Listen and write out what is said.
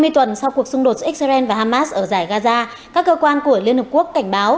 hai mươi tuần sau cuộc xung đột giữa israel và hamas ở giải gaza các cơ quan của liên hợp quốc cảnh báo